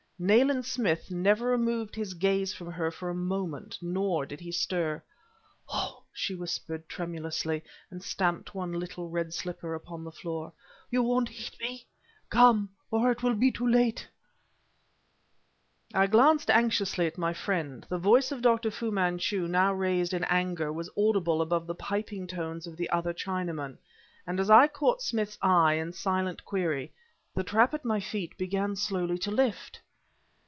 Nayland Smith never removed his gaze from her for a moment, nor did he stir. "Oh!" she whispered, tremulously, and stamped one little red slipper upon the floor. "Won't you heed me? Come, or it will be too late!" I glanced anxiously at my friend; the voice of Dr. Fu Manchu, now raised in anger, was audible above the piping tones of the other Chinaman. And as I caught Smith's eye, in silent query the trap at my feet began slowly to lift!